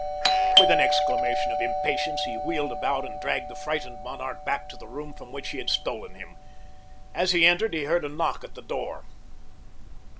With an exclamation of impatience he wheeled about and dragged the frightened monarch back to the room from which he had stolen him. As he entered he heard a knock at the door.